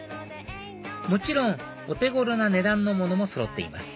もちろんお手頃な値段のものもそろっています